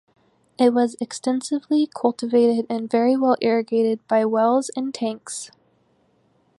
It was extensively cultivated and very well irrigated by wells and tanks.